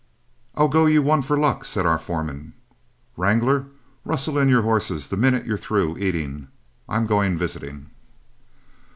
"I'll go you one for luck," said our foreman. "Wrangler, rustle in your horses the minute you're through eating. I'm going visiting."